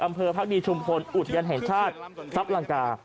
อำเภอภาคดีชุมฝนอุทยันแห่งชาติทรัพย์ลังกา